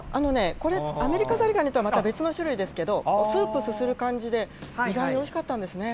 これ、アメリカザリガニとはまた別の種類ですけど、スープすする感じで、意外においしかったんですね。